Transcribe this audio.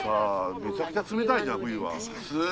めちゃくちゃ冷たいじゃん冬は。